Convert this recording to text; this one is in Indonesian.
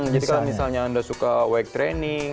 jadi kalau misalnya anda suka weight training